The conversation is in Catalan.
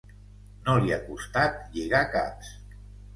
No li ha costat lligar caps.